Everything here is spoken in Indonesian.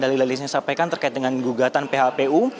dalil dalil yang disampaikan terkait dengan gugatan phpu